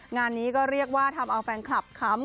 งานนี้ก็เรียกว่าทำเอาแฟนคลับค้ำ